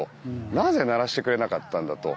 なぜ鳴らしてくれなかったんだと。